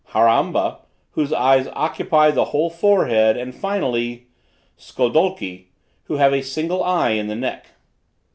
Harramba, whose eyes occupy the whole forehead; and finally, Skodolki, who have a single eye in the neck.